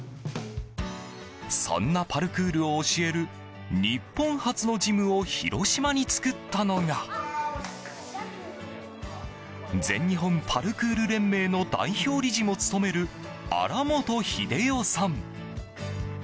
そんなパルクールを教える日本初のジムを広島に作ったのが全日本パルクール連盟の代表理事も務める荒本英世さん。